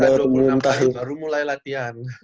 selesai dua puluh enam kali baru mulai latihan